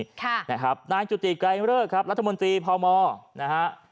เป็นแบบนี้ค่ะนะครับนายจุฏิไกรเวิร์ดครับรัฐมนตรีพาวมอร์นะฮะ